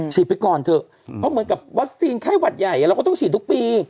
ไปก่อนเถอะเพราะเหมือนกับวัคซีนไข้หวัดใหญ่เราก็ต้องฉีดทุกปี